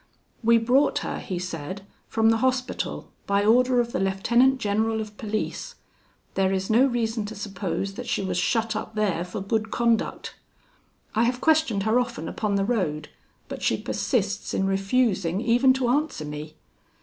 "We brought her," he said, "from the Hospital, by order of the lieutenant general of police. There is no reason to suppose that she was shut up there for good conduct. "I have questioned her often upon the road; but she persists in refusing even to answer me.